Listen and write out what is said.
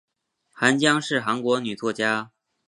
韩江是韩国女作家。